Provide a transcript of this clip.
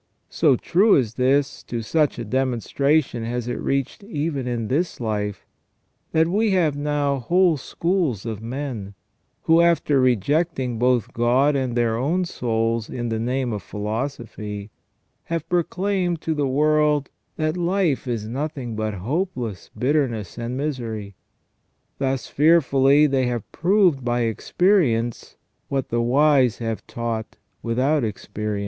So true is this, to such a demonstration has it reached even in this life, that we have now whole schools of men, who, after rejecting both God and their own souls in the name of philosophy, have proclaimed to the world that life is nothing but hopeless bitterness and misery. Thus fearfully have they proved by experience what the wise have taught without experience.